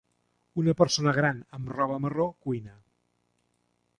Una persona gran amb roba marró cuina.